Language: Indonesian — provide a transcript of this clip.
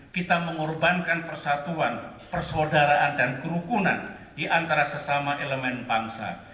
kita mengorbankan persatuan persaudaraan dan kerukunan di antara sesama elemen bangsa